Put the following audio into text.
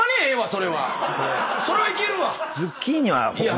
それはいけるわ。